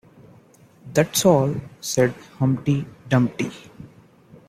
‘That’s all,’ said Humpty Dumpty.